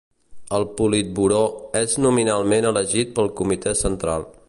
El Politburó és nominalment elegit pel Comitè Central.